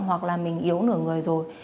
hoặc là mình yếu nửa người rồi